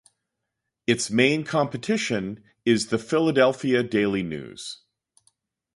Its main competition is "The Philadelphia Daily News".